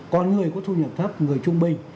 còn người có thu nhập thấp người trung bình